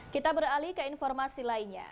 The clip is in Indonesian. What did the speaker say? kita beralih ke informasi lainnya